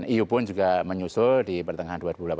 iu pun juga menyusul di pertengahan dua ribu delapan belas